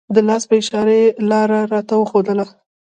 د لاس په اشاره یې لاره راته وښودله.